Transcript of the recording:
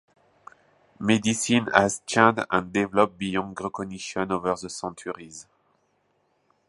Medicine has changed and developed beyond recognition over the centuries.